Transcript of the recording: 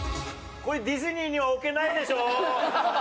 これディズニーには置けないでしょ？